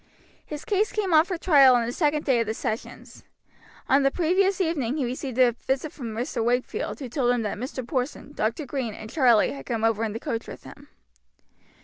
His case came on for trial on the second day of the sessions. On the previous evening he received a visit from Mr. Wakefield, who told him that Mr. Porson, Dr. Green and Charlie had come over in the coach with him.